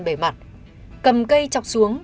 bề mặt cầm cây chọc xuống